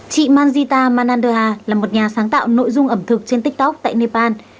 chị manjita mananderha là một nhà sáng tạo nội dung ẩm thực trên tiktok tại nepal